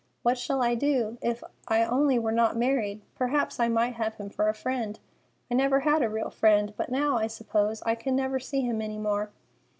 What shall I do? If I only were not married, perhaps I might have him for a friend. I never had a real friend. But now, I suppose, I can never see him any more."